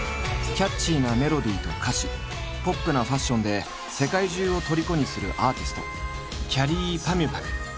キャッチーなメロディーと歌詞ポップなファッションで世界中を虜にするアーティストきゃりーぱみゅぱみゅ。